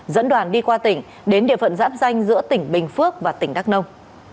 dẫn đoàn đi qua tỉnh đến địa phận giáp danh giữa tỉnh bình phước và tỉnh đắk nông